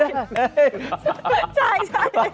ใช่